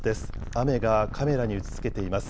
雨がカメラに打ちつけています。